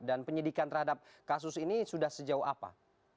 dan penyidikan terhadap kasus ini sudah sejauh apa